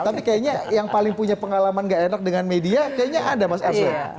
tapi kayaknya yang paling punya pengalaman gak enak dengan media kayaknya ada mas arsul